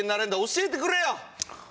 教えてくれよ。